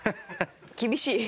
厳しい。